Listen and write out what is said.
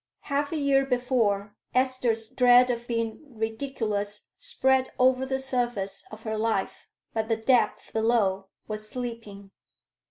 Half a year before, Esther's dread of being ridiculous spread over the surface of her life; but the depth below was sleeping.